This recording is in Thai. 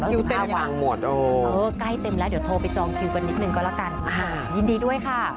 อยู่ตาวางหมดใกล้เต็มแล้วเดี๋ยวโทรไปจองคิวกันนิดนึงก็ละกันยินดีด้วยค่ะ